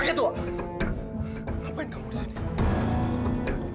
apa yang kamu lakukan di sini